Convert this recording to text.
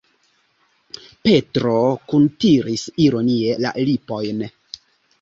Petro kuntiris ironie la lipojn.